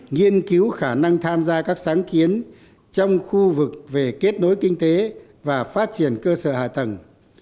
nghiên cứu khả năng tham gia các sáng kiến trong khu vực về kết nối kinh tế và phát triển cơ sở hạ tầng